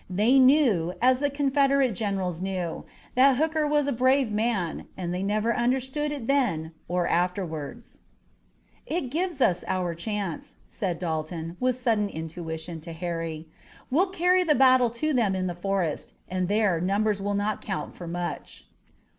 They knew, as the Confederate generals knew, that Hooker was a brave man, and they never understood it then or afterwards. "It gives us our chance," said Dalton, with sudden intuition, to Harry. "We'll carry the battle to them in the forest, and there numbers will not count so much."